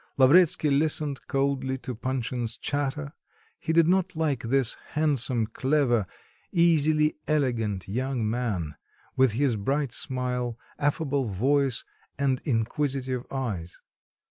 Lavretsky listened coldly to Panshin's chatter; he did not like this handsome, clever, easily elegant young man, with his bright smile, affable voice, and inquisitive eyes.